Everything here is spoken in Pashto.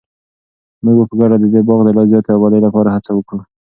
موږ به په ګډه د دې باغ د لا زیاتې ابادۍ لپاره هڅه وکړو.